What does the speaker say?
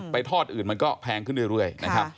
ไปทอดอื่นมันก็แพงขึ้นเรื่อย